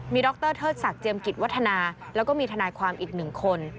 มีดรเทศศัตริย์เจียมกิจวัฒนาแล้วก็มีทนายความอิตหนึ่งคน